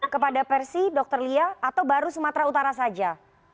kepada persi dr lia atau baru sumatera utara saja